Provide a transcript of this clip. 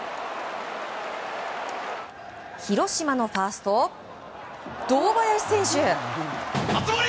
広島のファースト、堂林選手。